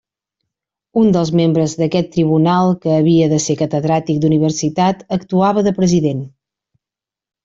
Un dels membres d'aquest tribunal, que havia de ser Catedràtic d'Universitat, actuava de President.